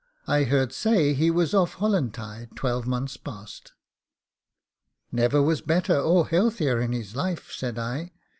I heard say he was off Holantide twelvemonth past.' 'Never was better or heartier in his life,' said I.